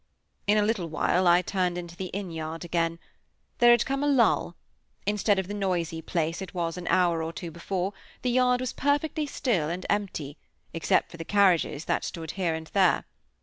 In a little while I turned into the inn yard again. There had come a lull. Instead of the noisy place it was an hour or two before, the yard was perfectly still and empty, except for the carriages that stood here and there.